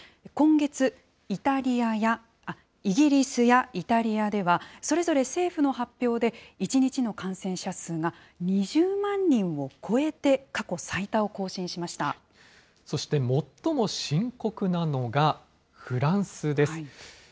今月、イギリスやイタリアでは、それぞれ政府の発表で１日の感染者数が２０万人を超えて、過去最そして最も深刻なのがフランスです。